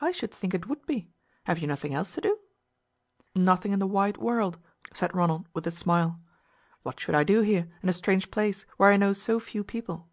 "I should think it would be. Have you nothing else to do?" "Nothing in the wide world," said Ronald with a smile. "What should I do here, in a strange place, where I know so few people?"